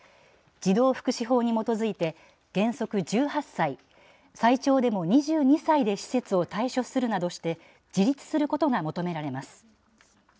児童福祉法に基づいて原則１８歳、最長でも２２歳で施設を退所するなどして、自立することが求められます。